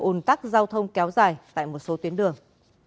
ủn tắc giao thông kéo dài tại một số tuyến đường